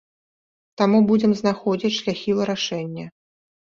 Таму будзем знаходзіць шляхі вырашэння.